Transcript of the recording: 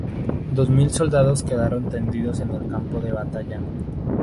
Dos mil soldados quedaron tendidos en el campo de batalla.